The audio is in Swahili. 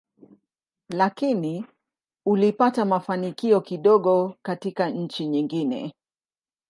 Lakini ulipata mafanikio kidogo katika nchi nyingine.